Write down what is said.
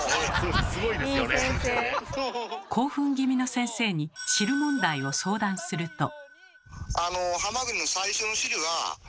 興奮気味の先生に汁問題を相談すると。